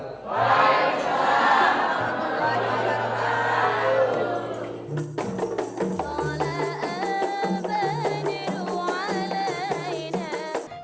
waalaikumsalam warahmatullahi wabarakatuh